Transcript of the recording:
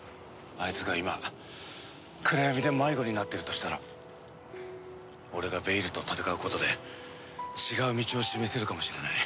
あいつが今暗闇で迷子になってるとしたら俺がベイルと戦うことで違う道を示せるかもしれない。